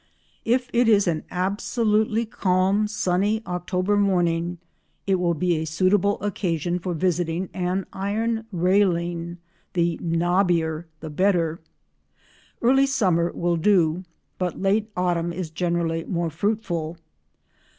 If it is an absolutely calm sunny October morning it will be a suitable occasion for visiting an iron railing, the "knobbier" the better. Early summer will do, but late autumn is generally more fruitful.